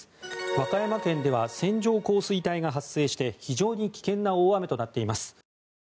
和歌山県では線状降水帯が発生して非常に危険な大雨となっています。